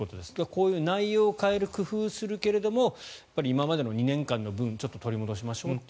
こういう内容を変える工夫をするけれども今までの２年間の分を取り戻しましょうと。